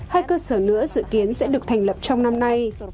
hai cơ sở nữa dự kiến sẽ được thành lập trong năm nay